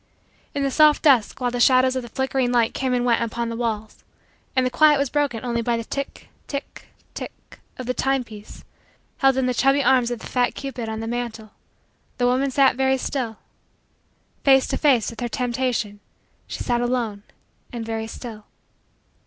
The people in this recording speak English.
In the soft dusk, while the shadows of the flickering light came and went upon the walls, and the quiet was broken only by the tick, tick, tick, of the timepiece held in the chubby arms of the fat cupid on the mantle, the woman sat very still. Face to face with her Temptation, she sat alone and very still.